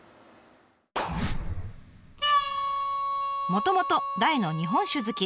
もともと大の日本酒好き。